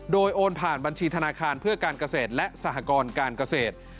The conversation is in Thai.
โดยโอนผ่านบัญชีธนาคารเพื่อการเกษตรและสหกรการเกษตร